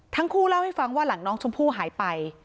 ทั้งคู่เล่าให้ฟังว่าหลังน้องชมพู่หายไป